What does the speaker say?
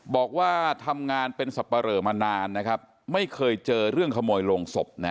บอกว่าทำงานเป็นสับปะเหลอมานานนะครับไม่เคยเจอเรื่องขโมยโรงศพนะ